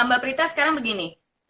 mbak prita sekarang begini